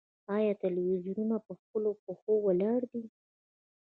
آیا تلویزیونونه په خپلو پښو ولاړ دي؟